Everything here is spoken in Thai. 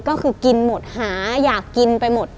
ก็คือกินหมดหาอยากกินไปหมด